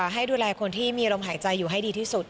ให้ดูแลคนที่มีลมหายใจอยู่ให้ดีที่สุด